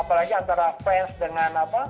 apalagi antara fans dengan